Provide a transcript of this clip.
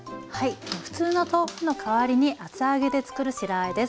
普通の豆腐の代わりに厚揚げでつくる白あえです。